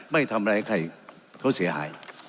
ไม่ทำอะไรให้ใครเขาเสียหาย